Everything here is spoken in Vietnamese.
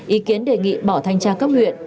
ý kiến đề nghị bỏ thanh tra cấp huyện